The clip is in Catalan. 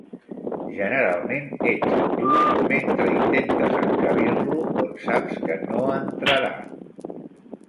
Generalment ets tu mentre intentes encabir-lo on saps que no entrarà.